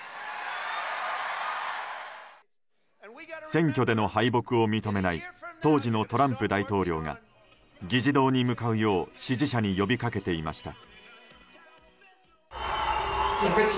選挙での敗北を認めない当時のトランプ大統領が議事堂に向かうよう支持者に呼びかけていました。